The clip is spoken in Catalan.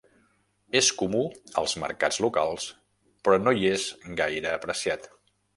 És comú als mercats locals però no hi és gaire apreciat.